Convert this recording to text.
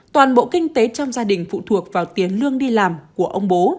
toàn bộ kinh tế trong gia đình phụ thuộc vào tiền lương đi làm của ông bố